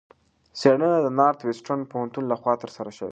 څېړنه د نارت وېسټرن پوهنتون لخوا ترسره شوې.